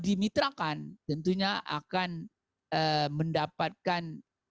dimitrakan tentunya akan mendapatkan